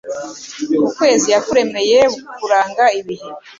Ukwezi yakuremeye kuranga ibihe